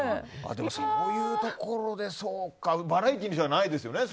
そういうところでバラエティーじゃないですよね。